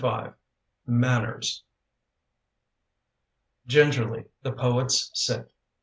MANNERS GINGERLY, the poets sit.